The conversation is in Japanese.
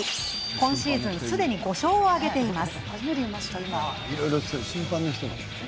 今シーズンすでに５勝を挙げています。